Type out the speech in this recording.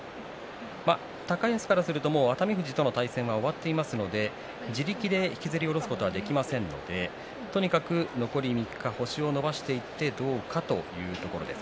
高安からするともう熱海富士との対戦が終わっていますので自力で引きずり下ろすことができませんのでとにかく残り３日星を伸ばしていってどうかというところです。